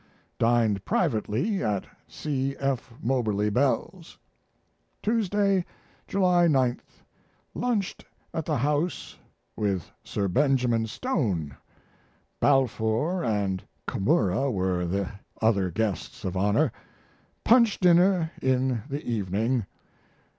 Dined privately at C. F. Moberly Bell's. Tuesday, July 9. Lunched at the House with Sir Benjamin Stone. Balfour and Komura were the other guests of honor. Punch dinner in the evening.